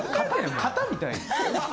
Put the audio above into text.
肩みたいに。